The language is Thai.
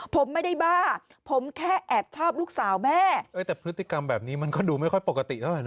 ผมไม่ได้บ้าผมแค่แอบชอบลูกสาวแม่เอ้ยแต่พฤติกรรมแบบนี้มันก็ดูไม่ค่อยปกติเท่าไห